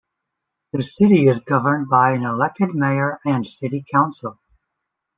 The city is governed by an elected mayor and city council.